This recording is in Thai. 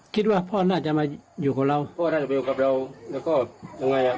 คิดว่าพ่อน่าจะมาอยู่กับเรา